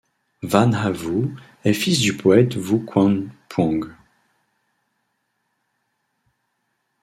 Van Ha Vu est fils du poète Vu Quan Phuong.